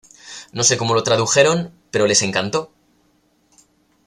No se como lo tradujeron, pero les encantó.